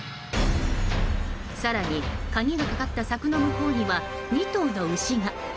更に、鍵がかかった柵の向こうには２頭の牛が。